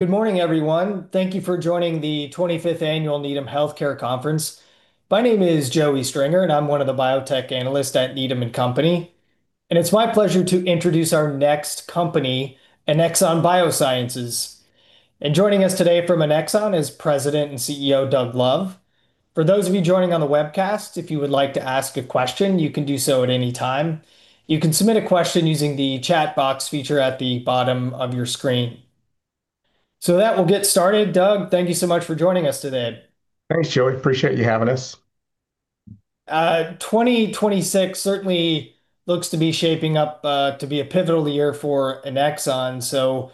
Good morning, everyone. Thank you for joining the 25th Annual Needham Healthcare Conference. My name is Joey Stringer, and I'm one of the Biotech Analysts at Needham & Company. It's my pleasure to introduce our next company, Annexon Biosciences. Joining us today from Annexon is President and CEO, Doug Love. For those of you joining on the webcast, if you would like to ask a question, you can do so at any time. You can submit a question using the chat box feature at the bottom of your screen. With that, we'll get started. Doug, thank you so much for joining us today. Thanks, Joey. We appreciate you having us. 2026 certainly looks to be shaping up to be a pivotal year for Annexon. Before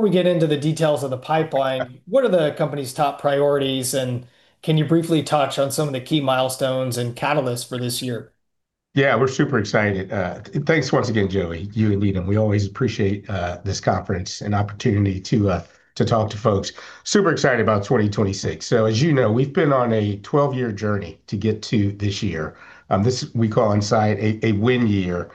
we get into the details of the pipeline, what are the company's top priorities, and can you briefly touch on some of the key milestones and catalysts for this year? Yeah, we're super excited. Thanks once again, Joey, you and Needham. We always appreciate this conference and opportunity to talk to folks. Super excited about 2026. As you know, we've been on a 12-year journey to get to this year. This we call inside a win year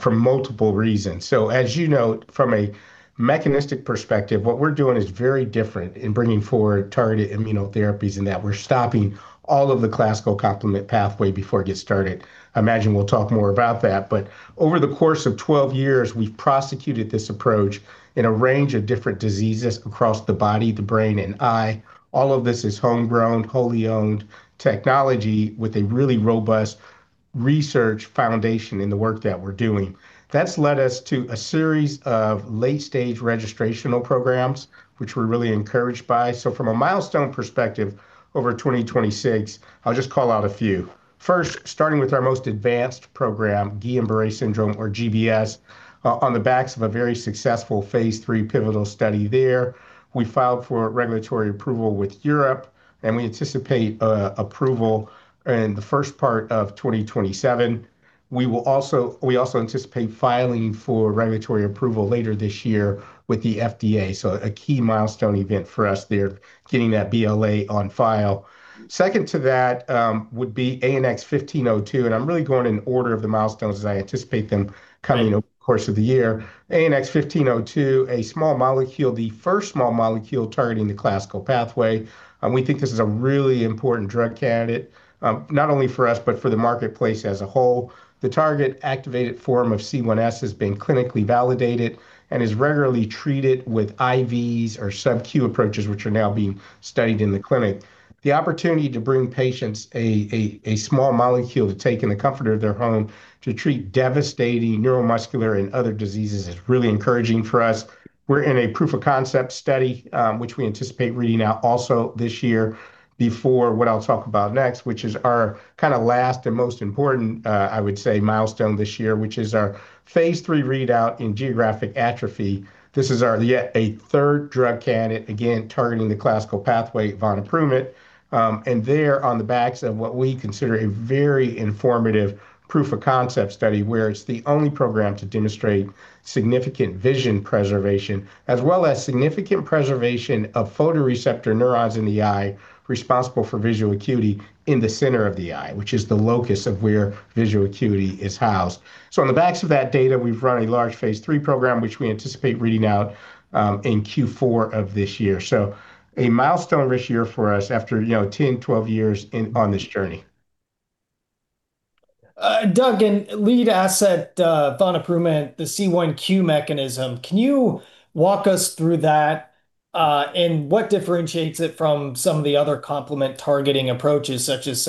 for multiple reasons. As you know, from a mechanistic perspective, what we're doing is very different in bringing forward targeted immunotherapies in that we're stopping all of the classical complement pathway before it gets started. I imagine we'll talk more about that. Over the course of 12 years, we've prosecuted this approach in a range of different diseases across the body, the brain, and eye. All of this is homegrown, wholly owned technology with a really robust research foundation in the work that we're doing. That's led us to a series of late-stage registrational programs, which we're really encouraged by. From a milestone perspective over 2026, I'll just call out a few. First, starting with our most advanced program, Guillain-Barré Syndrome, or GBS, on the backs of a very successful phase III pivotal study there. We filed for regulatory approval with Europe, and we anticipate approval in the first part of 2027. We also anticipate filing for regulatory approval later this year with the FDA, so a key milestone event for us there, getting that BLA on file. Second to that would be ANX1502, and I'm really going in order of the milestones as I anticipate them coming over the course of the year. ANX1502, a small molecule, the first small molecule targeting the classical pathway. We think this is a really important drug candidate, not only for us but for the marketplace as a whole. The target-activated form of C1s has been clinically validated and is regularly treated with IVs or sub-Q approaches, which are now being studied in the clinic. The opportunity to bring patients a small molecule to take in the comfort of their home to treat devastating neuromuscular and other diseases is really encouraging for us. We're in a proof of concept study, which we anticipate reading out also this year before what I'll talk about next, which is our kind of last and most important, I would say, milestone this year, which is our phase III readout in geographic atrophy. This is our yet a third drug candidate, again, targeting the classical pathway, vonaprument. There, on the backs of what we consider a very informative proof-of-concept study where it's the only program to demonstrate significant vision preservation, as well as significant preservation of photoreceptor neurons in the eye responsible for visual acuity in the center of the eye, which is the locus of where visual acuity is housed. On the backs of that data, we've run a large phase III program, which we anticipate reading out in Q4 of this year, a milestone-rich year for us after 10, 12 years on this journey. Doug, in lead asset vonaprument, the C1q mechanism, can you walk us through that and what differentiates it from some of the other complement targeting approaches, such as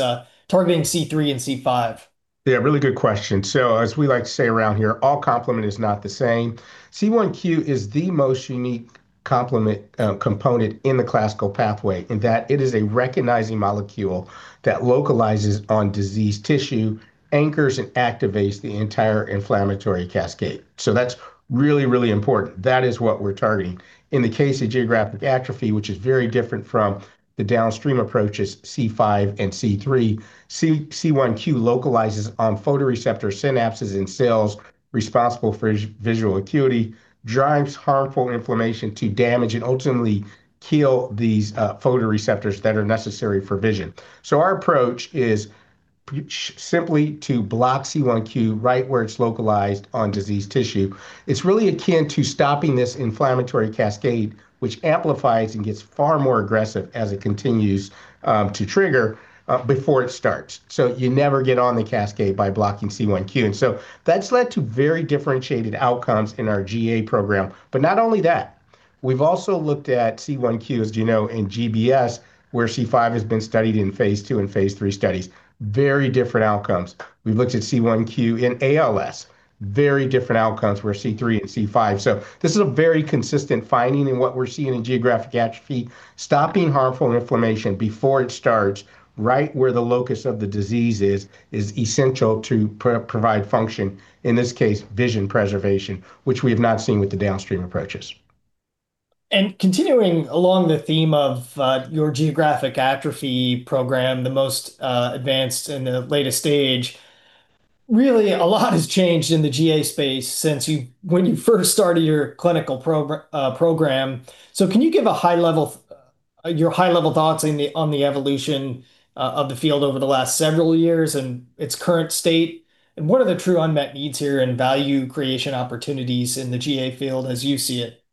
targeting C3 and C5? Yeah, really good question. As we like to say around here, all complement is not the same. C1q is the most unique complement component in the classical pathway in that it is a recognizing molecule that localizes on diseased tissue, anchors, and activates the entire inflammatory cascade. That's really, really important. That is what we're targeting. In the case of geographic atrophy, which is very different from the downstream approaches C5 and C3, C1q localizes on photoreceptor synapses in cells responsible for visual acuity, drives harmful inflammation to damage and ultimately kill these photoreceptors that are necessary for vision. Our approach is simply to block C1q right where it's localized on diseased tissue. It's really akin to stopping this inflammatory cascade, which amplifies and gets far more aggressive as it continues to trigger before it starts. You never get on the cascade by blocking C1q. That's led to very differentiated outcomes in our GA program. Not only that, we've also looked at C1q, as you know, in GBS, where C5 has been studied in phase II and phase III studies, very different outcomes. We've looked at C1q in ALS, very different outcomes where C3 and C5. This is a very consistent finding in what we're seeing in geographic atrophy. Stopping harmful inflammation before it starts, right where the locus of the disease is essential to provide function, in this case, vision preservation, which we have not seen with the downstream approaches. Continuing along the theme of your geographic atrophy program, the most advanced and the latest stage, really a lot has changed in the GA space since when you first started your clinical program. Your high-level thoughts on the evolution of the field over the last several years and its current state, and what are the true unmet needs here and value creation opportunities in the GA field as you see it?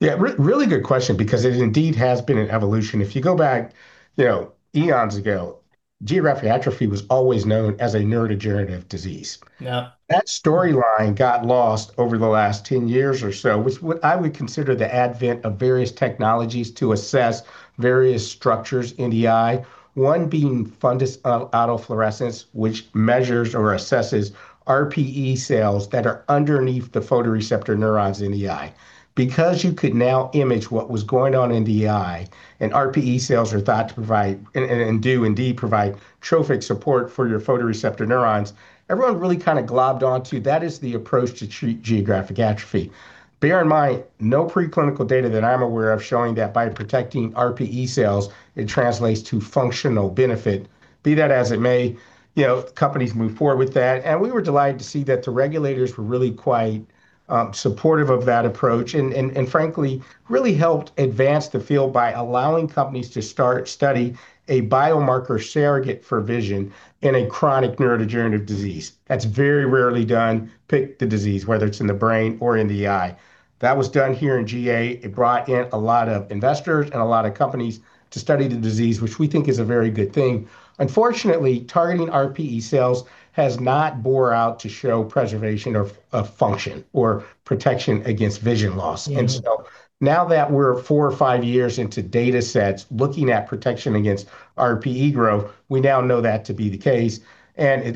Yeah, really good question, because it indeed has been an evolution. If you go back eons ago, geographic atrophy was always known as a neurodegenerative disease. Yeah. That storyline got lost over the last 10 years or so, with what I would consider the advent of various technologies to assess various structures in the eye, one being fundus autofluorescence, which measures or assesses RPE cells that are underneath the photoreceptor neurons in the eye. Because you could now image what was going on in the eye, and RPE cells are thought to provide and do indeed provide trophic support for your photoreceptor neurons, everyone really kind of globbed onto that is the approach to treat geographic atrophy. Bear in mind, no preclinical data that I'm aware of showing that by protecting RPE cells, it translates to functional benefit. Be that as it may, companies move forward with that. We were delighted to see that the regulators were really quite supportive of that approach, and frankly, really helped advance the field by allowing companies to start study a biomarker surrogate for vision in a chronic neurodegenerative disease. That's very rarely done. Pick the disease, whether it's in the brain or in the eye. That was done here in GA. It brought in a lot of investors and a lot of companies to study the disease, which we think is a very good thing. Unfortunately, targeting RPE cells has not bore out to show preservation of function or protection against vision loss. Yeah. Now that we're four or five years into datasets looking at protection against RPE growth, we now know that to be the case.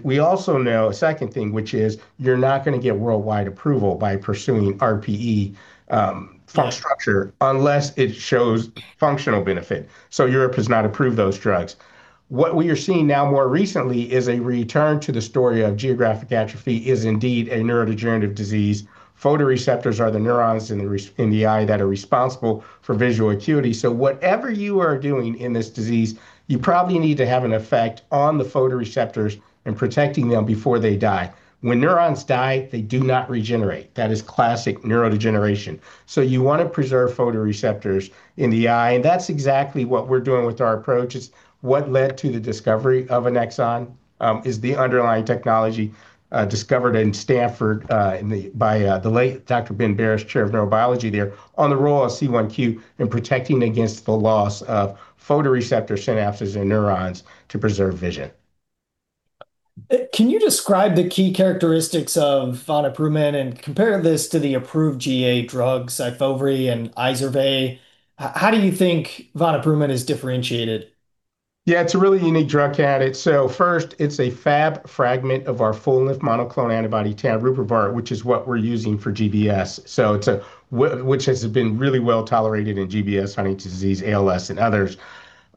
We also know a second thing, which is, you're not going to get worldwide approval by pursuing RPE structure unless it shows functional benefit. Europe has not approved those drugs. What we are seeing now more recently is a return to the story of geographic atrophy is indeed a neurodegenerative disease. Photoreceptors are the neurons in the eye that are responsible for visual acuity. Whatever you are doing in this disease, you probably need to have an effect on the photoreceptors and protecting them before they die. When neurons die, they do not regenerate. That is classic neurodegeneration. You want to preserve photoreceptors in the eye, and that's exactly what we're doing with our approach. It's what led to the discovery of Annexon is the underlying technology discovered in Stanford by the late Dr. Ben Barres, Chair of Neurobiology there, on the role of C1q in protecting against the loss of photoreceptor synapses and neurons to preserve vision. Can you describe the key characteristics of vonaprument and compare this to the approved GA drugs, SYFOVRE and Izervay? How do you think vonaprument is differentiated? Yeah, it's a really unique drug candidate. First, it's a Fab fragment of our full-length monoclonal antibody, tanruprubart, which is what we're using for GBS, which has been really well-tolerated in GBS, Huntington's disease, ALS, and others.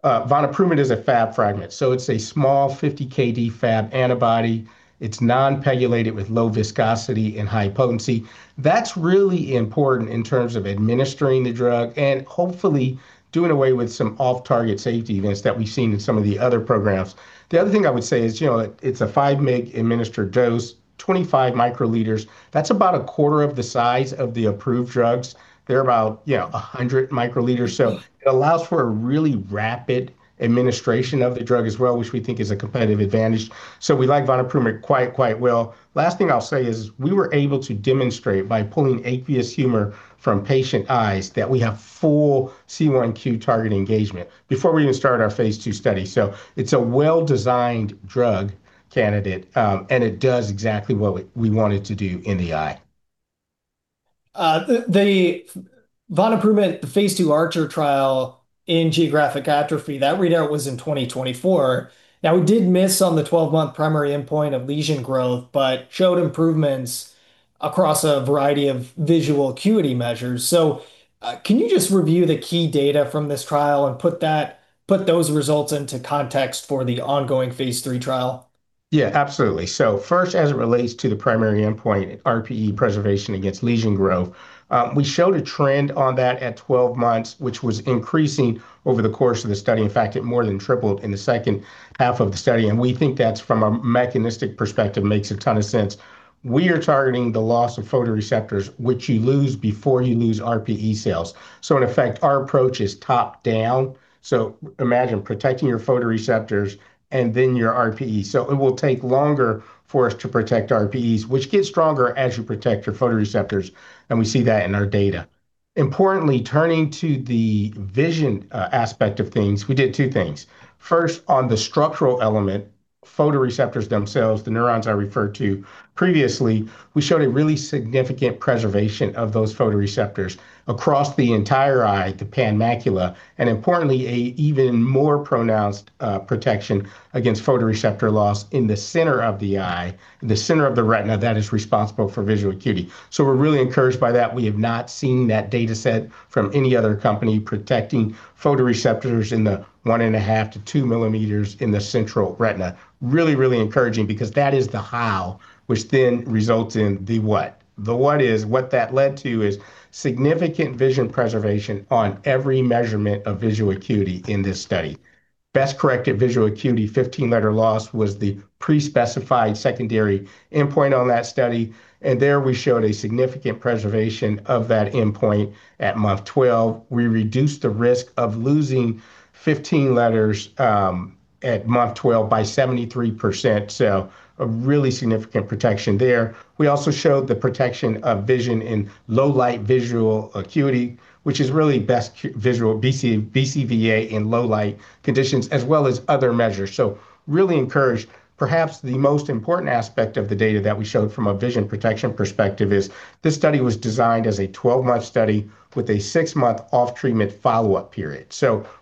Vonaprument is a Fab fragment. It's a small 50 kDa Fab antibody. It's non-PEGylated with low viscosity and high potency. That's really important in terms of administering the drug and hopefully doing away with some off-target safety events that we've seen in some of the other programs. The other thing I would say is, it's a 5 mg administered dose, 25 μl. That's about a quarter of the size of the approved drugs. They're about 100 μl. It allows for a really rapid administration of the drug as well, which we think is a competitive advantage. We like vonaprument quite well. Last thing I'll say is, we were able to demonstrate by pulling aqueous humor from patient eyes that we have full C1q target engagement before we even started our phase II study. It's a well-designed drug candidate, and it does exactly what we want it to do in the eye. The vonaprument, the phase II ARCHER trial in geographic atrophy, that readout was in 2024. Now, we did miss on the 12-month primary endpoint of lesion growth, but showed improvements across a variety of visual acuity measures. Can you just review the key data from this trial and put those results into context for the ongoing phase III trial? Yeah, absolutely. First, as it relates to the primary endpoint, RPE preservation against lesion growth, we showed a trend on that at 12 months, which was increasing over the course of the study. In fact, it more than tripled in the second half of the study, and we think that from a mechanistic perspective, makes a ton of sense. We are targeting the loss of photoreceptors, which you lose before you lose RPE cells. In effect, our approach is top-down. Imagine protecting your photoreceptors and then your RPE. It will take longer for us to protect RPEs, which get stronger as you protect your photoreceptors, and we see that in our data. Importantly, turning to the vision aspect of things, we did two things. First, on the structural element, photoreceptors themselves, the neurons I referred to previously, we showed a really significant preservation of those photoreceptors across the entire eye, the pan-macula, and importantly, an even more pronounced protection against photoreceptor loss in the center of the eye, the center of the retina that is responsible for visual acuity. We're really encouraged by that. We have not seen that dataset from any other company protecting photoreceptors in the 1.5 mm-2 mm in the central retina. Really encouraging because that is the how, which then results in the what. The what is what that led to is significant vision preservation on every measurement of visual acuity in this study. Best corrected visual acuity 15-letter loss was the pre-specified secondary endpoint on that study. There we showed a significant preservation of that endpoint at month 12. We reduced the risk of losing 15 letters at month 12 by 73%, so a really significant protection there. We also showed the protection of vision in low light visual acuity, which is really best visual BCVA in low light conditions as well as other measures. We are really encouraged. Perhaps the most important aspect of the data that we showed from a vision protection perspective is this study was designed as a 12-month study with a six-month off-treatment follow-up period.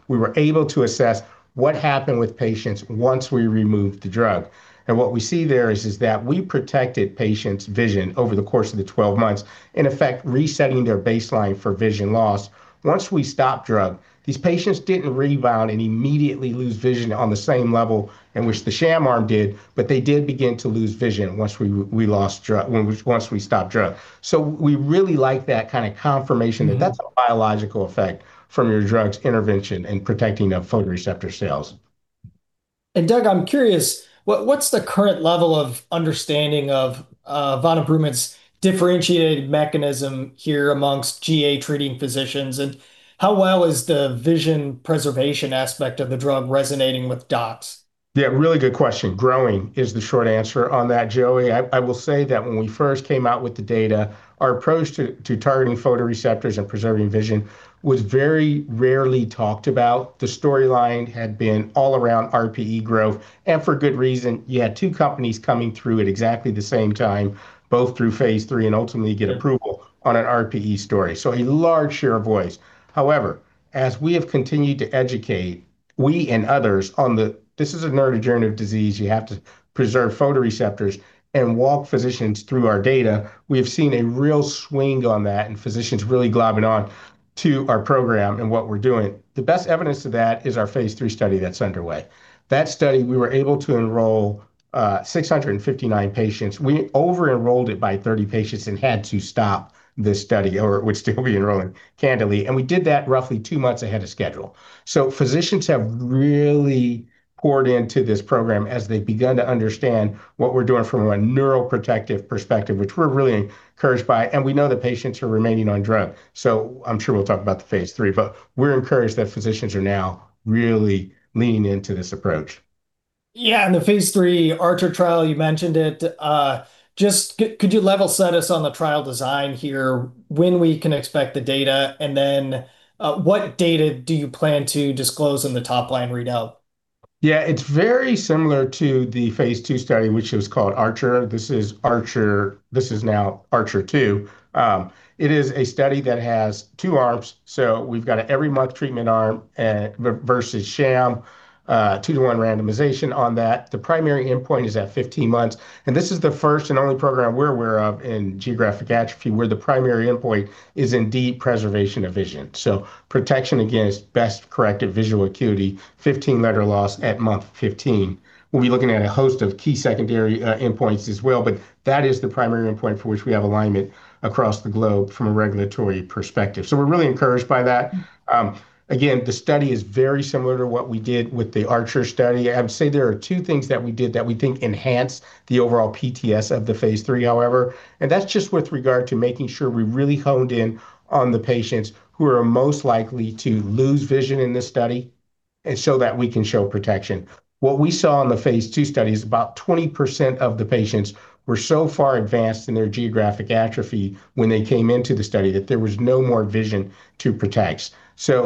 We were able to assess what happened with patients once we removed the drug. What we see there is that we protected patients' vision over the course of the 12 months, in effect resetting their baseline for vision loss. Once we stopped drug, these patients didn't rebound and immediately lose vision on the same level in which the sham arm did, but they did begin to lose vision once we stopped drug. We really like that kind of confirmation that that's a biological effect from your drug's intervention in protecting the photoreceptor cells. Doug, I'm curious, what's the current level of understanding of vonaprument's differentiated mechanism here amongst GA treating physicians? How well is the vision preservation aspect of the drug resonating with docs? Yeah, really good question. Growing is the short answer on that, Joey. I will say that when we first came out with the data, our approach to targeting photoreceptors and preserving vision was very rarely talked about. The storyline had been all around RPE growth, and for good reason. You had two companies coming through at exactly the same time, both through phase III and ultimately get approval on an RPE story, a large share of voice. However, as we have continued to educate others on this is a neurodegenerative disease, you have to preserve photoreceptors and walk physicians through our data. We have seen a real swing on that and physicians really glomming on to our program and what we're doing. The best evidence of that is our phase III study that's underway. That study, we were able to enroll 659 patients. We over-enrolled it by 30 patients and had to stop this study, or we're still re-enrolling candidly. We did that roughly two months ahead of schedule. Physicians have really poured into this program as they've begun to understand what we're doing from a neuroprotective perspective, which we're really encouraged by. We know that patients are remaining on drug. I'm sure we'll talk about the phase III, but we're encouraged that physicians are now really leaning into this approach. Yeah, the phase III ARCHER trial, you mentioned it. Just could you level set us on the trial design here, when we can expect the data, and then what data do you plan to disclose in the topline readout? Yeah, it's very similar to the phase II study, which was called ARCHER. This is now ARCHER II. It is a study that has two arms. We've got an every month treatment arm versus sham, two-to-one randomization on that. The primary endpoint is at 15 months. This is the first and only program we're aware of in geographic atrophy where the primary endpoint is indeed preservation of vision. Protection against best corrected visual acuity, 15-letter loss at month 15. We'll be looking at a host of key secondary endpoints as well, but that is the primary endpoint for which we have alignment across the globe from a regulatory perspective. We're really encouraged by that. Again, the study is very similar to what we did with the ARCHER study. I would say there are two things that we did that we think enhanced the overall PTS of the phase III, however, and that's just with regard to making sure we really honed in on the patients who are most likely to lose vision in this study and so that we can show protection. What we saw in the phase II study is about 20% of the patients were so far advanced in their geographic atrophy when they came into the study that there was no more vision to protect.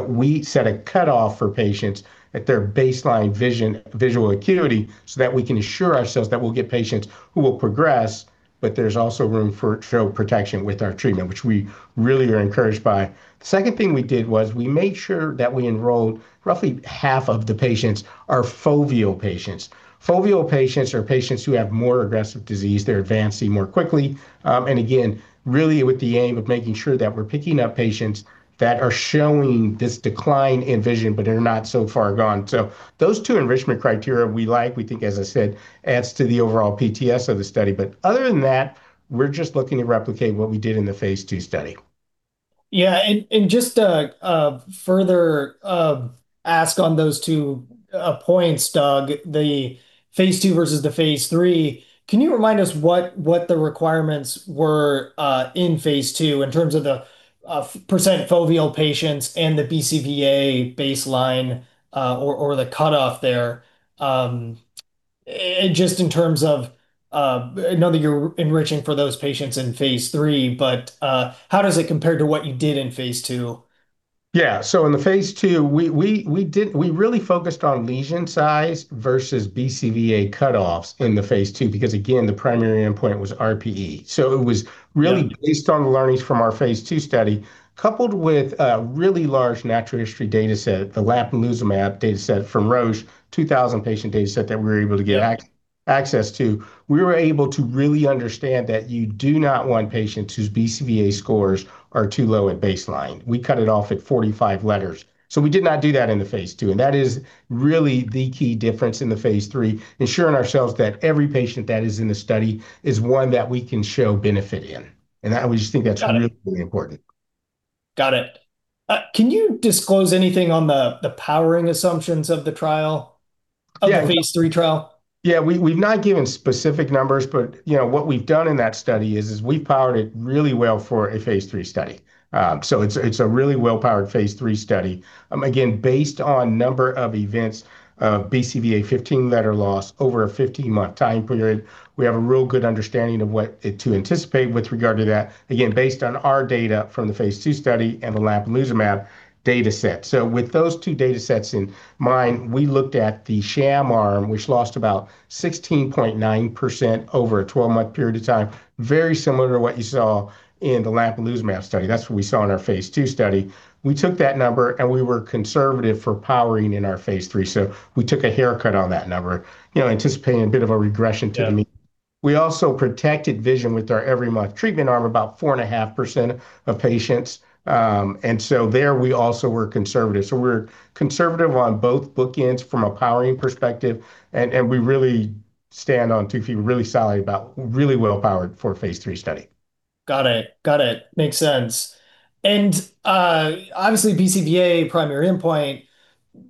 We set a cutoff for patients at their baseline visual acuity so that we can assure ourselves that we'll get patients who will progress, but there's also room for trial protection with our treatment, which we really are encouraged by. The second thing we did was we made sure that we enrolled roughly half of the patients are foveal patients. Foveal patients are patients who have more aggressive disease. They're advancing more quickly. Again, really with the aim of making sure that we're picking up patients that are showing this decline in vision, but are not so far gone. So those two enrichment criteria we like, we think, as I said, adds to the overall PTS of the study. But other than that, we're just looking at replicating what we did in the phase II study. Yeah. Just a further ask on those two points, Doug, the phase II versus the phase III, can you remind us what the requirements were in phase II in terms of the percent foveal patients and the BCVA baseline or the cutoff there? Just in terms of I know that you're enriching for those patients in phase III, but how does it compare to what you did in phase II? Yeah. In the phase II, we really focused on lesion size versus BCVA cutoffs in the phase II because, again, the primary endpoint was RPE. It was really based on the learnings from our phase II study, coupled with a really large natural history dataset, the lampalizumab dataset from Roche, 2,000 patient dataset that we were able to get access to. We were able to really understand that you do not want patients whose BCVA scores are too low at baseline. We cut it off at 45 letters. We did not do that in the phase II, and that is really the key difference in the phase III, ensuring ourselves that every patient that is in the study is one that we can show benefit in. We just think that's really important. Got it. Can you disclose anything on the powering assumptions of the trial? Yeah. Of the phase III trial? Yeah. We've not given specific numbers, but what we've done in that study is we've powered it really well for a phase III study. It's a really well-powered phase III study. Again, based on number of events of BCVA 15-letter loss over a 15-month time period, we have a real good understanding of what to anticipate with regard to that, again, based on our data from the phase II study and the lampalizumab dataset. With those two data sets in mind, we looked at the sham arm, which lost about 16.9% over a 12-month period of time, very similar to what you saw in the lampalizumab study. That's what we saw in our phase II study. We took that number, and we were conservative for powering in our phase III, so we took a haircut on that number, anticipating a bit of a regression to the mean. Yeah. We also protected vision with our every-month treatment arm, about 4.5% of patients. There we also were conservative. We're conservative on both bookends from a powering perspective and we really stand on two feet, really solid about really well-powered for a phase III study. Got it. Makes sense. Obviously BCVA primary endpoint,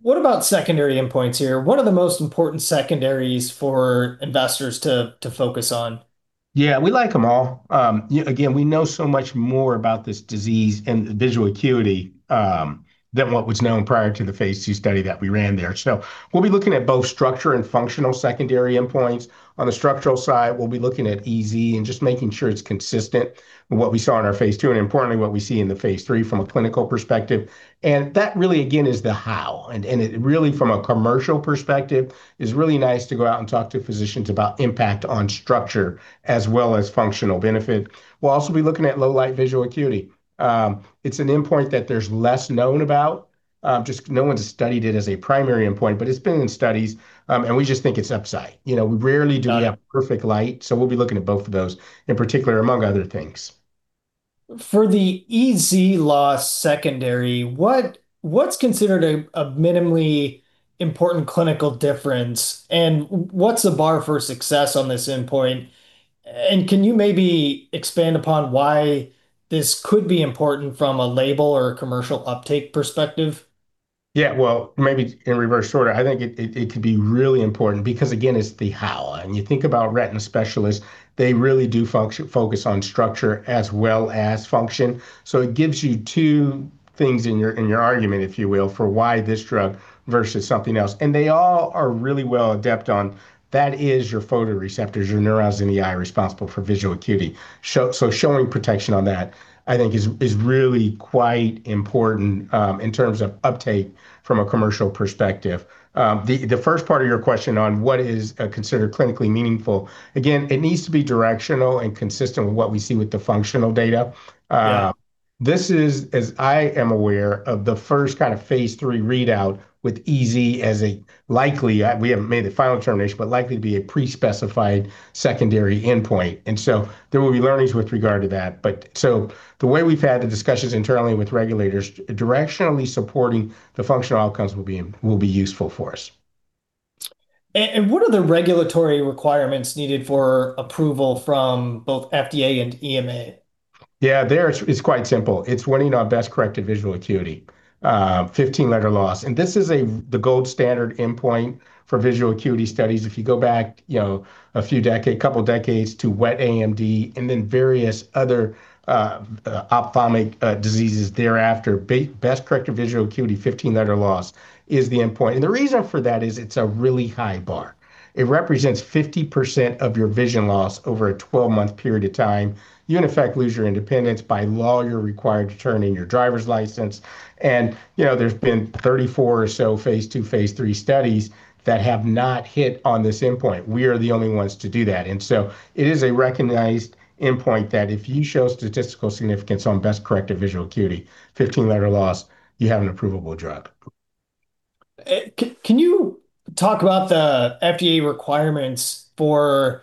what about secondary endpoints here? What are the most important secondaries for investors to focus on? Yeah, we like them all. Again, we know so much more about this disease and visual acuity than what was known prior to the phase II study that we ran there. We'll be looking at both structure and functional secondary endpoints. On the structural side, we'll be looking at EZ and just making sure it's consistent with what we saw in our phase II and, importantly, what we see in the phase III from a clinical perspective. That really, again, is the how, and it really, from a commercial perspective, is really nice to go out and talk to physicians about impact on structure as well as functional benefit. We'll also be looking at low-light visual acuity. It's an endpoint that there's less known about, just no one's studied it as a primary endpoint, but it's been in studies, and we just think it's upside. We rarely do. Got it. We have perfect light. We'll be looking at both of those in particular, among other things. For the EZ loss secondary, what's considered a minimally important clinical difference, and what's the bar for success on this endpoint? Can you maybe expand upon why this could be important from a label or a commercial uptake perspective? Yeah. Well, maybe in reverse order. I think it could be really important because, again, it's the how. You think about retina specialists, they really do focus on structure as well as function. It gives you two things in your argument, if you will, for why this drug versus something else. They all are really well adept on that is your photoreceptors, your neurons in the eye responsible for visual acuity. Showing protection on that, I think, is really quite important, in terms of uptake from a commercial perspective. The first part of your question on what is considered clinically meaningful, again, it needs to be directional and consistent with what we see with the functional data. Yeah. This is, as I am aware, of the first kind of phase III readout with EZ as a likely, we haven't made the final determination, but likely be a pre-specified secondary endpoint. There will be learnings with regard to that. The way we've had the discussions internally with regulators, directionally supporting the functional outcomes will be useful for us. What are the regulatory requirements needed for approval from both FDA and EMA? Yeah. There it's quite simple. It's, meaning, our best corrected visual acuity, 15-letter loss. This is the gold standard endpoint for visual acuity studies. If you go back a couple decades to wet AMD and then various other ophthalmic diseases thereafter, best corrected visual acuity, 15-letter loss is the endpoint. The reason for that is it's a really high bar. It represents 50% of your vision loss over a 12-month period of time. You, in effect, lose your independence. By law, you're required to turn in your driver's license. There's been 34 or so phase II, phase III studies that have not hit on this endpoint. We are the only ones to do that. It is a recognized endpoint that if you show statistical significance on best corrected visual acuity, 15-letter loss, you have an approvable drug. Can you talk about the FDA requirements for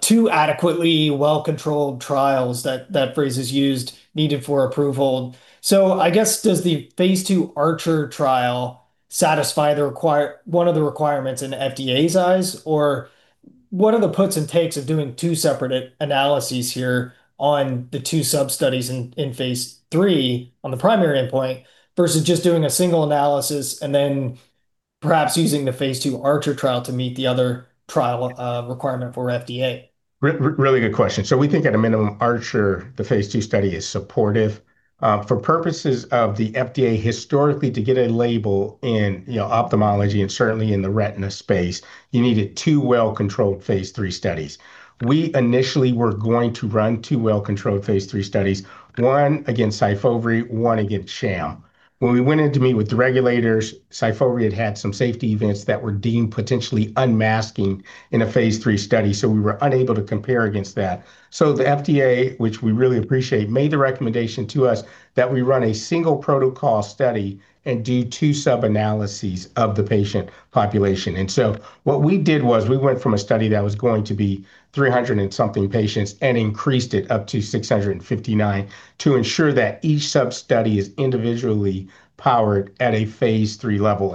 two adequately well-controlled trials, that phrase is used, needed for approval? I guess, does the phase II ARCHER trial satisfy one of the requirements in FDA's eyes, or what are the puts and takes of doing two separate analyses here on the two sub-studies in phase III on the primary endpoint, versus just doing a single analysis and then perhaps using the phase II ARCHER trial to meet the other trial requirement for FDA? Really good question. We think at a minimum, ARCHER, the phase II study, is supportive. For purposes of the FDA, historically, to get a label in ophthalmology and certainly in the retina space, you needed two well-controlled phase III studies. We initially were going to run two well-controlled phase III studies, one against SYFOVRE, one against sham. When we went in to meet with the regulators, SYFOVRE had had some safety events that were deemed potentially unmasking in a phase III study, so we were unable to compare against that. The FDA, which we really appreciate, made the recommendation to us that we run a single protocol study and do two sub-analyses of the patient population. What we did was we went from a study that was going to be 300 and something patients and increased it up to 659 to ensure that each sub-study is individually powered at a phase III level.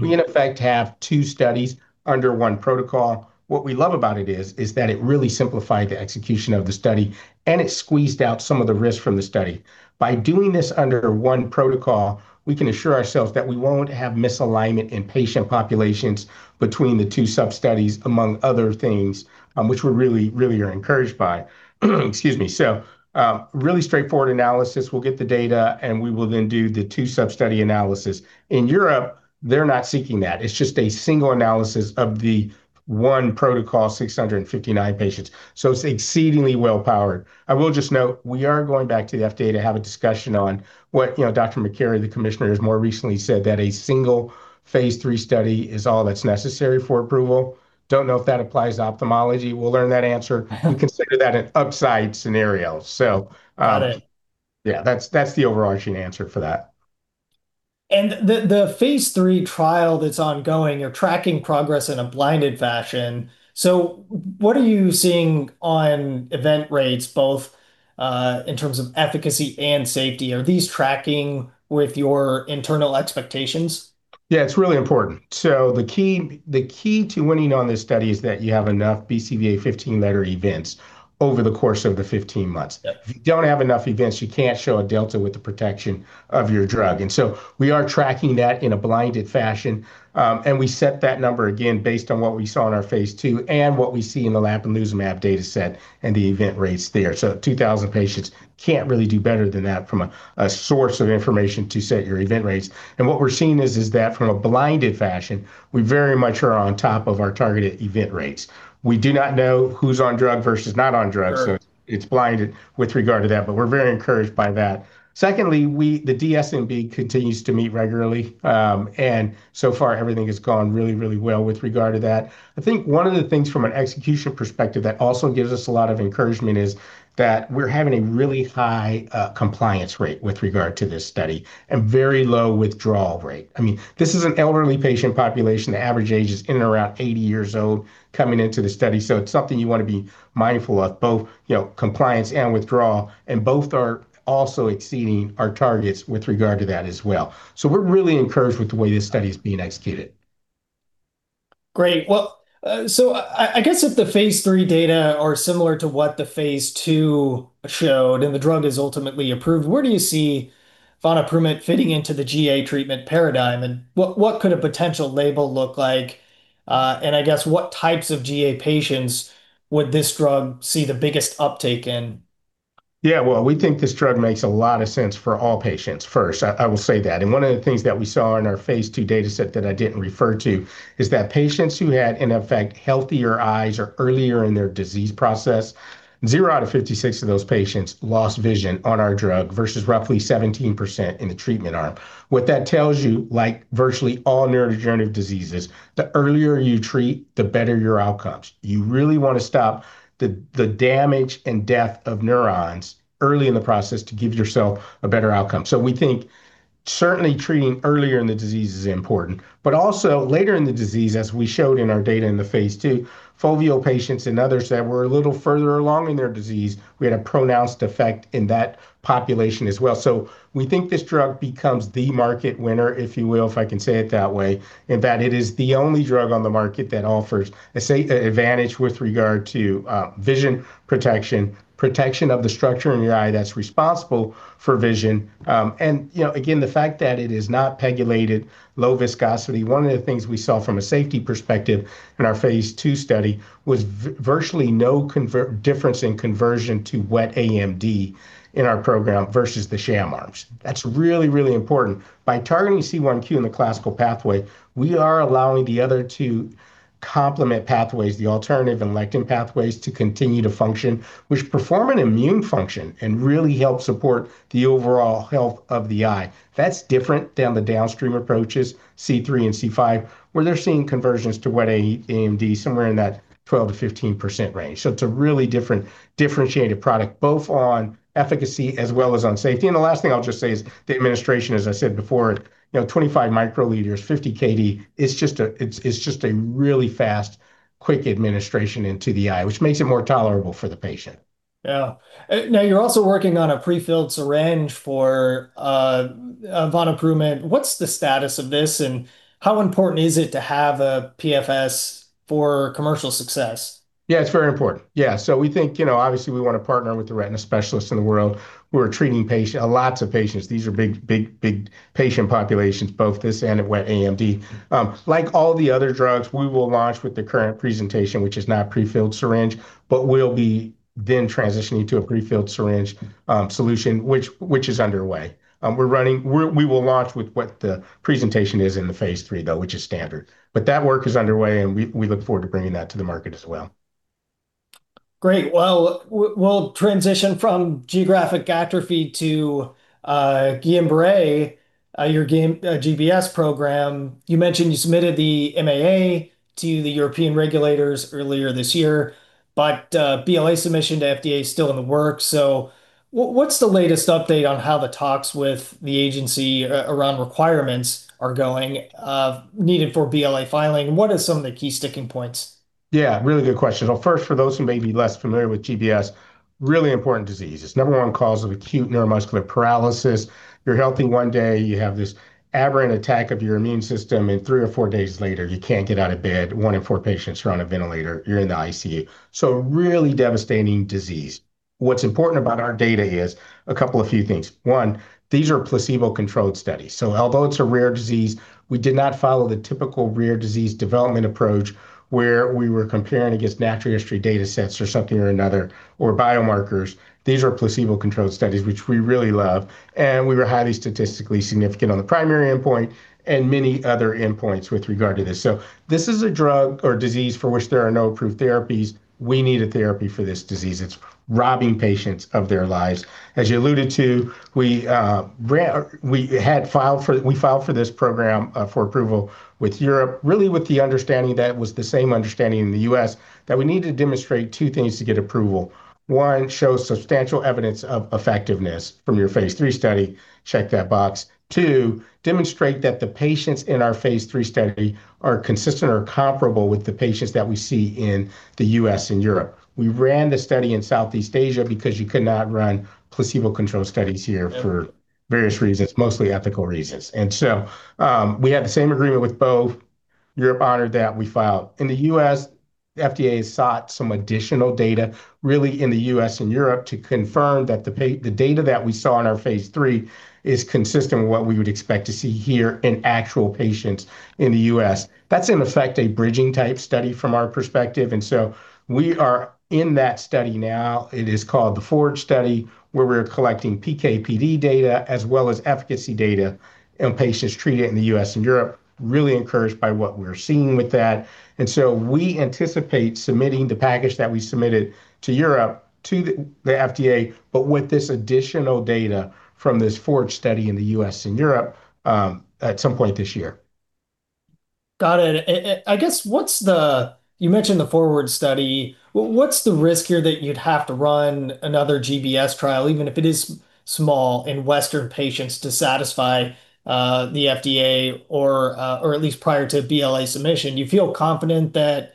We, in effect, have two studies under one protocol. What we love about it is that it really simplified the execution of the study, and it squeezed out some of the risk from the study. By doing this under one protocol, we can assure ourselves that we won't have misalignment in patient populations between the two sub-studies, among other things, which we really are encouraged by. Excuse me. Really straightforward analysis, we'll get the data, and we will then do the two sub-study analysis. In Europe, they're not seeking that. It's just a single analysis of the one protocol, 659 patients. It's exceedingly well-powered. I will just note, we are going back to the FDA to have a discussion on what Dr. Makary, the Commissioner, has more recently said that a single phase III study is all that's necessary for approval. Don't know if that applies to ophthalmology. We'll learn that answer. We consider that an upside scenario. Got it. Yeah, that's the overarching answer for that. The phase III trial that's ongoing, you're tracking progress in a blinded fashion. What are you seeing on event rates, both in terms of efficacy and safety? Are these tracking with your internal expectations? Yeah, it's really important. The key to winning on this study is that you have enough BCVA 15-letter events over the course of the 15 months. Yeah. If you don't have enough events, you can't show a delta with the protection of your drug. We are tracking that in a blinded fashion, and we set that number again based on what we saw in our phase II and what we see in the lampalizumab data set and the event rates there. 2,000 patients can't really do better than that from a source of information to set your event rates. What we're seeing is that from a blinded fashion, we very much are on top of our targeted event rates. We do not know who's on drug versus not on drug. Sure. It's blinded with regard to that, but we're very encouraged by that. Secondly, the DSMB continues to meet regularly, and so far everything has gone really well with regard to that. I think one of the things from an execution perspective that also gives us a lot of encouragement is that we're having a really high compliance rate with regard to this study and very low withdrawal rate. This is an elderly patient population. The average age is in and around 80 years old coming into the study, so it's something you want to be mindful of, both compliance and withdrawal, and both are also exceeding our targets with regard to that as well. We're really encouraged with the way this study's being executed. Great. Well, I guess if the phase III data are similar to what the phase II showed and the drug is ultimately approved, where do you see vonaprument fitting into the GA treatment paradigm, and what could a potential label look like? I guess what types of GA patients would this drug see the biggest uptake in? Yeah. Well, we think this drug makes a lot of sense for all patients first. I will say that. One of the things that we saw in our phase II data set that I didn't refer to is that patients who had, in effect, healthier eyes or earlier in their disease process, zero out of 56 of those patients lost vision on our drug versus roughly 17% in the treatment arm. What that tells you, like virtually all neurodegenerative diseases, the earlier you treat, the better your outcomes. You really want to stop the damage and death of neurons early in the process to give yourself a better outcome. We think certainly treating earlier in the disease is important. Also later in the disease, as we showed in our data in the phase II, foveal patients and others that were a little further along in their disease, we had a pronounced effect in that population as well. We think this drug becomes the market winner, if you will, if I can say it that way, in that it is the only drug on the market that offers advantage with regard to vision protection of the structure in your eye that is responsible for vision. Again, the fact that it is not PEGylated, low viscosity, one of the things we saw from a safety perspective in our phase II study was virtually no difference in conversion to wet AMD in our program versus the sham arms. That is really important. By targeting C1q and the classical pathway, we are allowing the other two complement pathways, the alternative and lectin pathways, to continue to function, which perform an immune function and really help support the overall health of the eye. That's different than the downstream approaches, C3 and C5, where they're seeing conversions to wet AMD somewhere in that 12%-15% range. It's a really differentiated product, both on efficacy as well as on safety. The last thing I'll just say is the administration, as I said before, 25 μl, 50 kDa. It's just a really fast, quick administration into the eye, which makes it more tolerable for the patient. Yeah. Now, you're also working on a pre-filled syringe for vonaprument. What's the status of this, and how important is it to have a PFS for commercial success? Yeah, it's very important. Yeah. We think, obviously we want to partner with the retina specialists in the world who are treating lots of patients. These are big patient populations, both this and wet AMD. Like all the other drugs, we will launch with the current presentation, which is not pre-filled syringe, but we'll be then transitioning to a pre-filled syringe solution, which is underway. We will launch with what the presentation is in the phase III, though, which is standard. That work is underway, and we look forward to bringing that to the market as well. Great. Well, we'll transition from geographic atrophy to Guillain-Barré, your GBS program. You mentioned you submitted the MAA to the European regulators earlier this year, but BLA submission to FDA is still in the works. What's the latest update on how the talks with the agency around requirements are going needed for BLA filing, and what are some of the key sticking points? Yeah, really good question. Well, first, for those who may be less familiar with GBS, really important disease. It's the number one cause of acute neuromuscular paralysis. You're healthy one day, you have this aberrant attack of your immune system, and three or four days later, you can't get out of bed. One in four patients are on a ventilator. You're in the ICU. Really devastating disease. What's important about our data is a couple of few things. One, these are placebo-controlled studies. Although it's a rare disease, we did not follow the typical rare disease development approach where we were comparing against natural history data sets or something or another, or biomarkers. These are placebo-controlled studies, which we really love, and we were highly statistically significant on the primary endpoint and many other endpoints with regard to this. This is a drug or disease for which there are no approved therapies. We need a therapy for this disease. It's robbing patients of their lives. As you alluded to, we filed for this program for approval with Europe, really with the understanding that it was the same understanding in the U.S. that we need to demonstrate two things to get approval. One, show substantial evidence of effectiveness from your phase III study. Check that box. Two, demonstrate that the patients in our phase III study are consistent or comparable with the patients that we see in the U.S. and Europe. We ran the study in Southeast Asia because you could not run placebo-controlled studies here for various reasons, mostly ethical reasons. We had the same agreement with both. Europe honored that we filed. In the U.S., the FDA has sought some additional data, really in the U.S. and Europe, to confirm that the data that we saw in our phase III is consistent with what we would expect to see here in actual patients in the U.S. That's in effect a bridging type study from our perspective, and so we are in that study now. It is called the FORWARD study, where we're collecting PK/PD data as well as efficacy data in patients treated in the U.S. and Europe. Really encouraged by what we're seeing with that. We anticipate submitting the package that we submitted to Europe to the FDA, but with this additional data from this FORWARD study in the U.S. and Europe, at some point this year. Got it. You mentioned the FORWARD study. What's the risk here that you'd have to run another GBS trial, even if it is small, in Western patients to satisfy the FDA, or at least prior to BLA submission? Do you feel confident that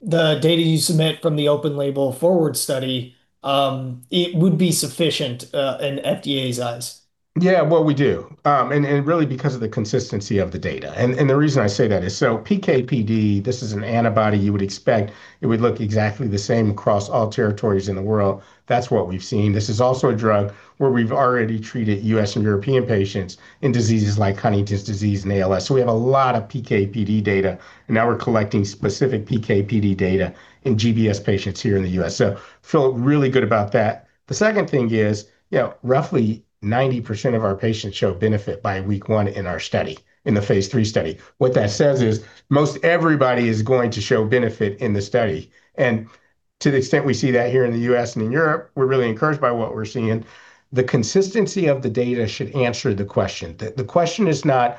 the data you submit from the open-label FORWARD study, it would be sufficient in FDA's eyes? Yeah. Well, we do, and really because of the consistency of the data. The reason I say that is PK/PD, this is an antibody you would expect it would look exactly the same across all territories in the world. That's what we've seen. This is also a drug where we've already treated U.S. and European patients in diseases like Huntington's disease and ALS. We have a lot of PK/PD data, and now we're collecting specific PK/PD data in GBS patients here in the U.S. We feel really good about that. The second thing is roughly 90% of our patients show benefit by week one in the phase III study. What that says is most everybody is going to show benefit in the study. To the extent we see that here in the U.S. and in Europe, we're really encouraged by what we're seeing. The consistency of the data should answer the question. The question is not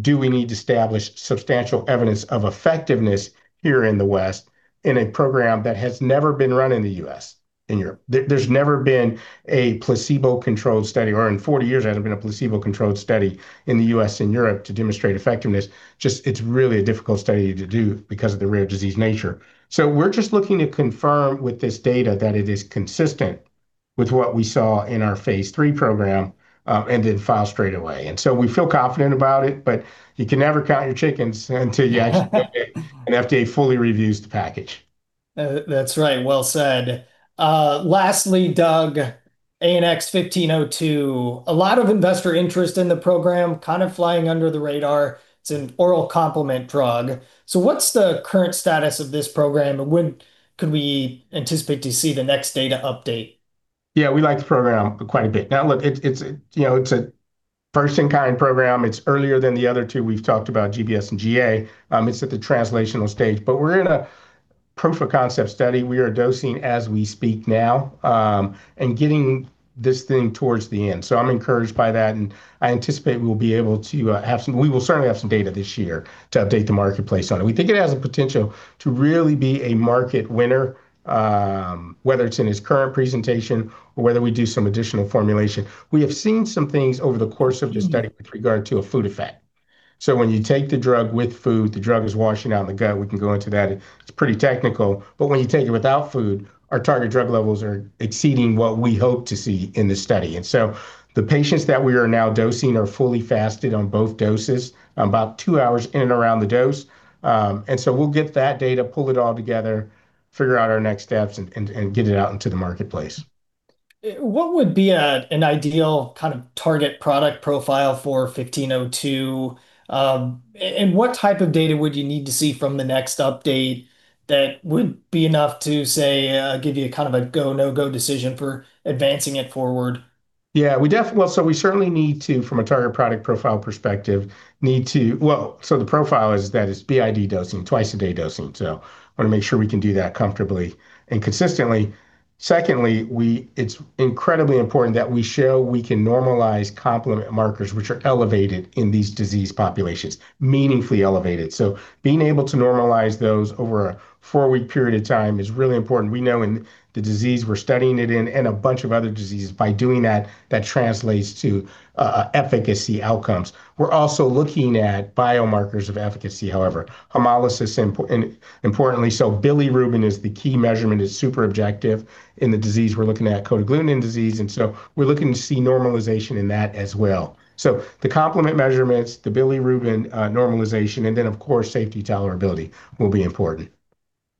do we need to establish substantial evidence of effectiveness here in the West in a program that has never been run in the U.S., in Europe. There's never been a placebo-controlled study, or in 40 years there hasn't been a placebo-controlled study in the U.S. and Europe to demonstrate effectiveness. Just it's really a difficult study to do because of the rare disease nature. We're just looking to confirm with this data that it is consistent with what we saw in our phase III program, and then file straight away. We feel confident about it, but you can never count your chickens until you actually submit it and FDA fully reviews the package. That's right. Well said. Lastly, Doug, ANX1502, a lot of investor interest in the program, kind of flying under the radar. It's an oral complement drug. What's the current status of this program, and when could we anticipate to see the next data update? Yeah. We like the program quite a bit. Now look, it's a first in kind program. It's earlier than the other two we've talked about, GBS and GA. It's at the translational stage. We're in a proof-of-concept study. We are dosing as we speak now, and getting this thing towards the end. I'm encouraged by that, and I anticipate we will certainly have some data this year to update the marketplace on it. We think it has the potential to really be a market winner, whether it's in its current presentation or whether we do some additional formulation. We have seen some things over the course of the study with regard to a food effect. When you take the drug with food, the drug is washing out in the gut. We can go into that. It's pretty technical. When you take it without food, our target drug levels are exceeding what we hope to see in the study. The patients that we are now dosing are fully fasted on both doses, about two hours in and around the dose. We'll get that data, pull it all together, figure out our next steps, and get it out into the marketplace. What would be an ideal kind of target product profile for ANX1502? What type of data would you need to see from the next update that would be enough to, say, give you a kind of a go/no-go decision for advancing it forward? Yeah. Well, from a target product profile perspective, the profile is that it's BID dosing, twice a day dosing. We want to make sure we can do that comfortably and consistently. Secondly, it's incredibly important that we show we can normalize complement markers, which are elevated in these disease populations, meaningfully elevated. Being able to normalize those over a four-week period of time is really important. We know in the disease we're studying it in, and a bunch of other diseases, by doing that translates to efficacy outcomes. We're also looking at biomarkers of efficacy, however, hemolysis importantly. Bilirubin is the key measurement. It's super objective in the disease we're looking at, cold agglutinin disease, and we're looking to see normalization in that as well. The complement measurements, the bilirubin normalization, and then of course safety tolerability will be important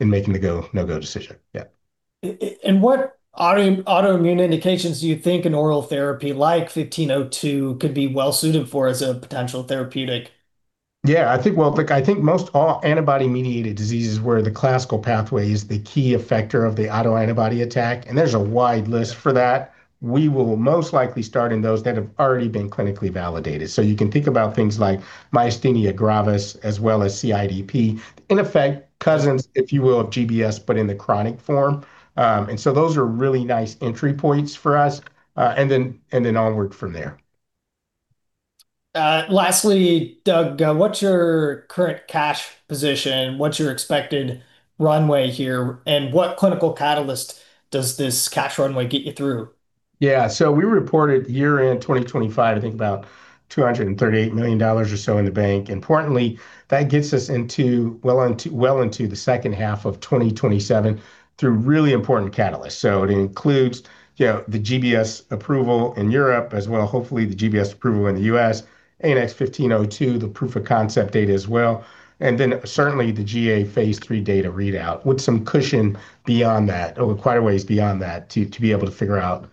in making the go/no-go decision. Yeah. What autoimmune indications do you think an oral therapy like ANX1502 could be well suited for as a potential therapeutic? Yeah. I think most all antibody-mediated diseases where the classical pathway is the key effector of the autoantibody attack, and there's a wide list for that. We will most likely start in those that have already been clinically validated. You can think about things like myasthenia gravis as well as CIDP, in effect, cousins, if you will, of GBS, but in the chronic form. Those are really nice entry points for us, onward from there. Lastly, Doug, what's your current cash position? What's your expected runway here, and what clinical catalyst does this cash runway get you through? Yeah. We reported year-end 2025, I think about $238 million or so in the bank. Importantly, that gets us well into the second half of 2027 through really important catalysts. It includes the GBS approval in Europe, as well, hopefully, the GBS approval in the U.S., ANX1502, the proof-of-concept data as well, and then certainly the GA phase III data readout, with some cushion beyond that, or quite a ways beyond that, to be able to figure out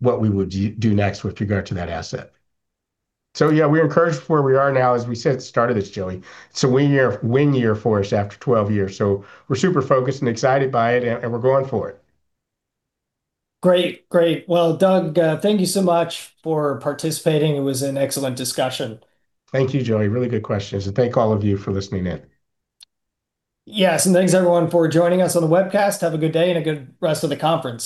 what we would do next with regard to that asset. Yeah, we're encouraged with where we are now. As we said at the start of this, Joey, it's a win year for us after 12 years. We're super focused and excited by it, and we're going for it. Great. Well, Doug, thank you so much for participating. It was an excellent discussion. Thank you, Joey. Really good questions, and thank all of you for listening in. Yes, and thanks, everyone, for joining us on the webcast. Have a good day and a good rest of the conference.